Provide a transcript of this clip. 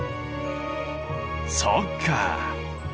そっか！